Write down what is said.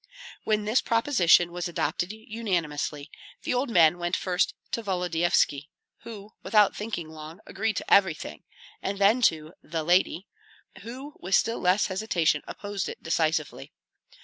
When this proposition was adopted unanimously, the old men went first to Volodyovski, who, without thinking long, agreed to everything, and then to "the lady," who with still less hesitation opposed it decisively.